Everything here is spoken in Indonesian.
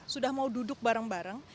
sudah mau duduk bareng bareng